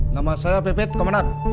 nama saya bebet komandat